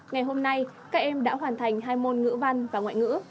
ngày hôm nay các em đã hoàn thành hai môn ngữ văn và ngoại ngữ